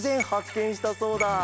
けんしたそうだ。